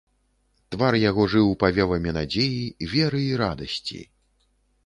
Твар яго жыў павевамі надзеі, веры і радасці.